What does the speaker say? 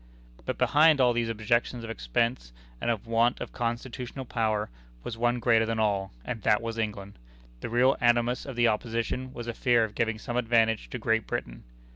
But behind all these objections of expense and of want of constitutional power, was one greater than all, and that was England! The real animus of the opposition was a fear of giving some advantage to Great Britain.